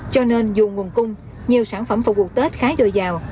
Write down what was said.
cho nên dù nguồn cung nhiều sản phẩm phục vụ tết khá dồi dào